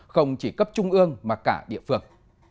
không chỉ cấp trung ương mà cả địa phương